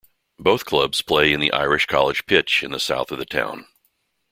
Both clubs play in the Irish College pitch in the south of the town.